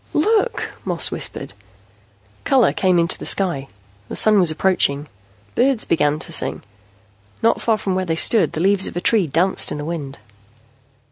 "Look!" Moss whispered. Color came into the sky. The Sun was approaching. Birds began to sing. Not far from where they stood, the leaves of a tree danced in the wind.